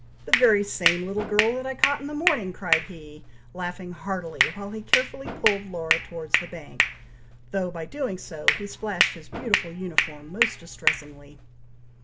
the very same little girl that I caught in the morning," cried he, laughing heartily, while he carefully pulled Laura towards the bank, though, by doing so, he splashed his beautiful uniform most distressingly.